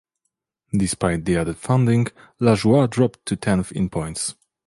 Despite the added funding, LaJoie dropped to tenth in points.